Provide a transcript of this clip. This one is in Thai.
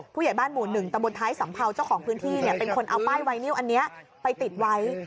ผู้ใหญ่บ้านหมู่๑ตำบลท้ายสัมเภาเจ้าของพื้นที่เป็นคนเอาป้ายไวนิวอันนี้ไปติดไว้